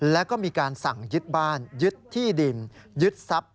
แล้วก็มีการสั่งยึดบ้านยึดที่ดินยึดทรัพย